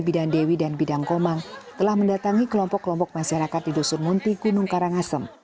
bidang dewi dan bidang komang telah mendatangi kelompok kelompok masyarakat di dusun munti gunung karangasem